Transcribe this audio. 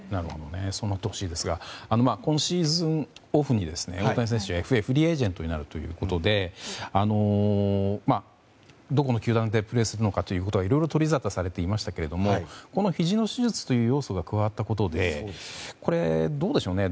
そうなってほしいですが今シーズンオフに大谷選手はＦＡ・フリーエージェントになるということでどこの球団でプレーするかはいろいろ取り沙汰されていましたけどもこのひじの手術という要素が加わったことでどうでしょうね